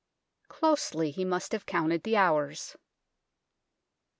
Closely he must have counted the hours.